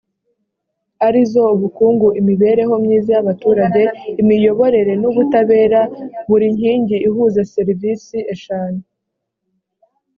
arizo ubukungu imibereho myiza y abaturage imiyoborere n ubutabera buri nkingi ihuza serivisi eshanu